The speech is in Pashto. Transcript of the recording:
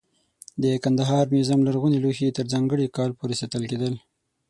د کندهار موزیم لرغوني لوښي تر ځانګړي کال پورې ساتل کېدل.